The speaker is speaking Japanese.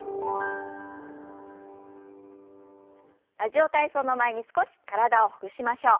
「ラジオ体操」の前に少し体をほぐしましょう。